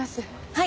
はい。